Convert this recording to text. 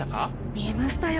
見えましたよ。